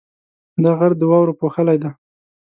دا غر د واورو پوښلی دی.